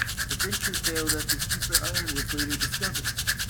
The venture failed after cheaper iron was later discovered.